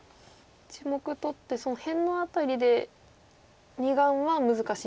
１目取って辺のあたりで２眼は難しい？